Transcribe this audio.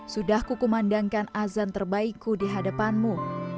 sudah kukumandangkan azan terbaikku di hadapanmu